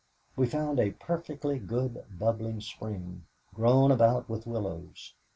We found a perfectly good, bubbling spring, grown about with willows.